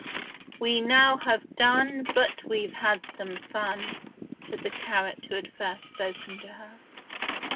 "We now have done, But we've had some fun," said the carrot who had first spoken to her.